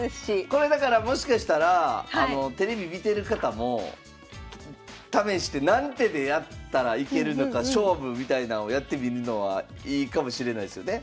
これだからもしかしたらテレビ見てる方も試して何手でやったらいけるのか勝負みたいなのやってみるのはいいかもしれないですよね。